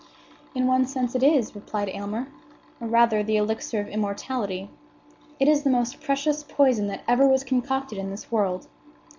"In one sense it is," replied Aylmer; "or, rather, the elixir of immortality. It is the most precious poison that ever was concocted in this world.